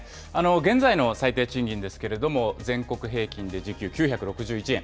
現在の最低賃金ですけれども、全国平均で時給９６１円。